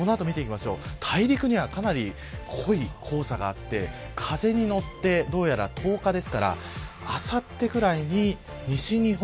大陸にはかなり濃い黄砂があって風に乗ってどうやら１０日ですからあさってぐらいに西日本